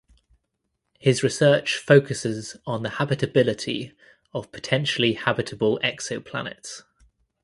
His research focuses on the habitability of potentially habitable exoplanets.